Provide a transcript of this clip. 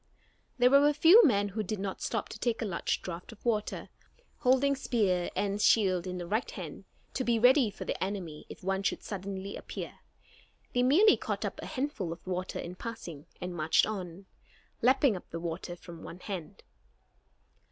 There were a few men who did not stop to take a large draft of water. Holding spear and shield in the right hand, to be ready for the enemy if one should suddenly appear, they merely caught up a handful of the water in passing and marched on, lapping up the water from one hand.